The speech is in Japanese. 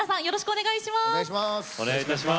お願いします。